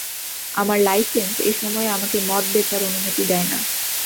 আমার লাইসেন্স এসময়ে আমাকে মদ বেচার অনুমতি দেয়না।